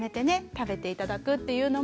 食べて頂くっていうのも。